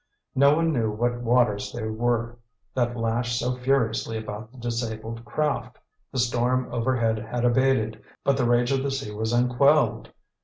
No one knew what waters they were that lashed so furiously about the disabled craft. The storm overhead had abated, but the rage of the sea was unquelled.